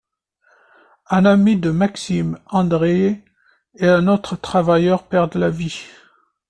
Un ami de Maxime, Andrei, et un autre travailleur perdent la vie.